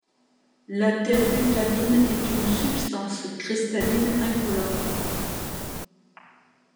La terbutaline est une substance cristalline incolore.